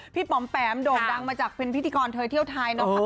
พี่ปอมแปมโดดดังมาจากเป็นพิธีกรเทยเที่ยวไทย